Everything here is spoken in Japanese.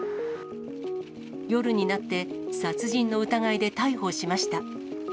夜になって、殺人の疑いで逮捕しました。